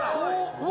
うわ！